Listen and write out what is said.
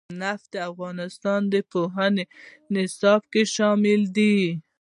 نفت د افغانستان د پوهنې نصاب کې شامل دي.